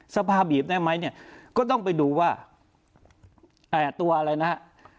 สภาพบีบได้ไหมเนี่ยก็ต้องไปดูว่าตัวอะไรนะฮะ